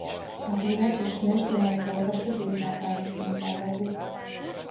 A hímek és nőstények torka sötét márványos mintázatú.